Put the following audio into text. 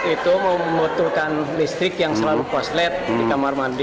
itu membutuhkan listrik yang selalu koslet di kamar mandi